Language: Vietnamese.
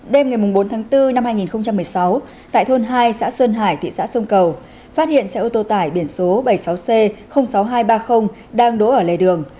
đêm ngày bốn tháng bốn năm hai nghìn một mươi sáu tại thôn hai xã xuân hải thị xã sông cầu phát hiện xe ô tô tải biển số bảy mươi sáu c sáu nghìn hai trăm ba mươi đang đỗ ở lề đường